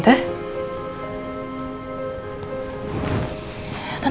terima kasih mas